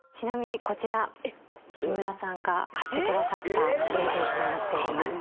「木村さんが買ってくださった冷蔵庫になっております」